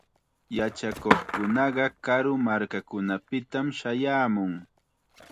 Yachakuqkunaqa karu markakunapitam shayaamun.